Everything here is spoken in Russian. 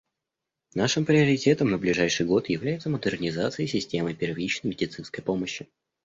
Нашим приоритетом на ближайший год является модернизация системы первичной медицинской помощи.